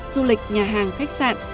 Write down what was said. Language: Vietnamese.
du lịch nhà hàng khách sạn